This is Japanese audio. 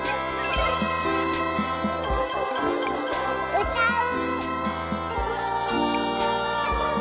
うたう！